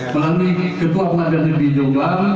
kami ketua pengadilan negeri jombang